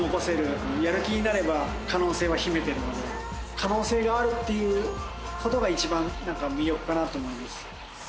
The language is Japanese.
可能性があるということが一番魅力かなと思います。